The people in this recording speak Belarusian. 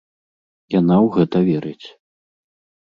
Яна ў гэта верыць.